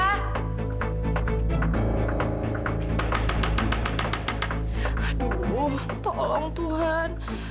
aduh tolong tuhan